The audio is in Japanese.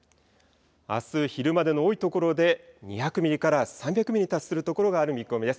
あす昼までの多いところで２００ミリから３００ミリに達するところがある見込みです。